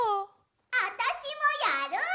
あたしもやる！